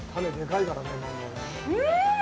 うん！